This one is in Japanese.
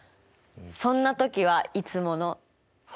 そんな時はいつもの。